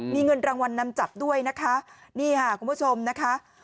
มีเงินรางวัลนำจับด้วยนะคะนี่ค่ะคุณผู้ชมนะคะ